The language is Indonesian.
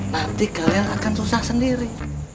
nanti kalian akan susah sendiri